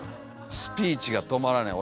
スピーチが止まらない。